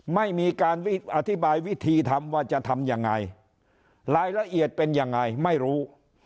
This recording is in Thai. ไม่มีการอธิบายวิธีทำว่าจะทำยังไงรายละเอียดเป็นยังไงไม่รู้